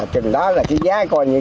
trừng đó là cái giá coi như